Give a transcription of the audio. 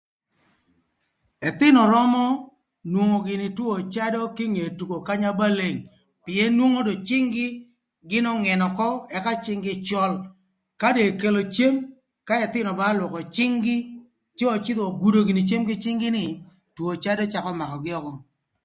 Ëthïnö römö nwongo gïnï two cadö kinge tuko kanya ba leng pïën nwongo dong cïng-gï gïn öngënö ökö ka cïng-gï cöl ka do ekelo cem ka ëthïnö ba ölwökö cïng-gï cë öcïdhö ogudo gïnï cem kï cïng-gï ni two cadö cakö makögï ökö.